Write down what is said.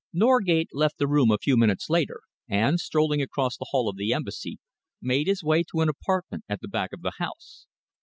Norgate left the room a few minutes later, and, strolling across the hall of the Embassy, made his way to an apartment at the back of the house.